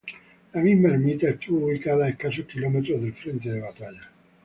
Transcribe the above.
La misma ermita estuvo ubicada a escasos kilómetros del frente de batalla.